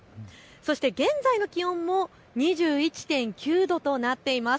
そして現在の気温も２１．９度となっています。